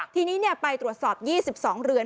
ทีนี้เนี่ยไปตรวจสอบ๒๒เหรือน